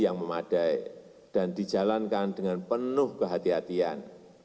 yang memadai dan dijalankan dengan penuh kehatian